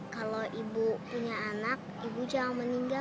kalau ibu punya anak ibu jangan meninggal